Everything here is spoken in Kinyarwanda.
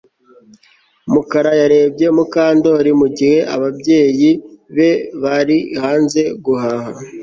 Mukara yarebye Mukandoli mugihe ababyeyi be bari hanze guhaha